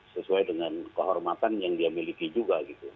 sesuai dengan kehormatan yang dia miliki juga gitu